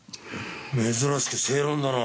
珍しく正論だな。